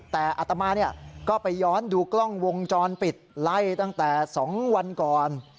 แต่อัตมาก็ไปย้อนดูกล้องวงจรปิดไล่ตั้งแต่๒วันก่อน